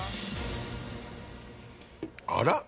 あら？